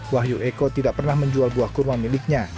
wahyu eko tidak pernah menjual buah kurma miliknya